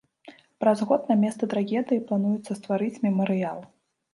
Праз год на месцы трагедыі плануецца стварыць мемарыял.